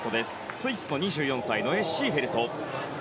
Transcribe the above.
スイスの２４歳ノエ・シーフェルト。